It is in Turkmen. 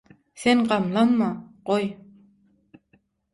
Sen gamlanma, goý